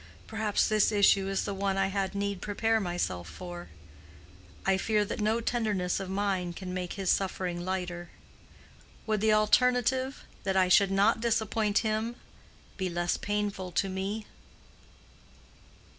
Perhaps this issue is the one I had need prepare myself for. I fear that no tenderness of mine can make his suffering lighter. Would the alternative—that I should not disappoint him—be less painful to me?"